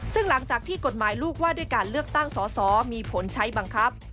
ซึ่งหลังจากที่กฎหมายลูกว่าด้วยการเลือกตั้งสอสอมีผลใช้บังคับ